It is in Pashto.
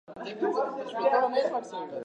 مورخينو خپل سرونه په څادر کې پټ کړي دي.